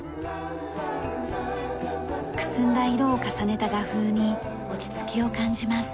くすんだ色を重ねた画風に落ち着きを感じます。